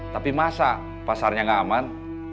tapi masa pasarnya nggak aman